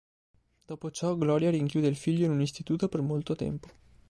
Dopo ciò Gloria rinchiude il figlio in un istituto per molto tempo.